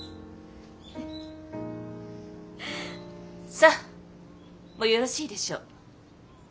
さあもうよろしいでしょう。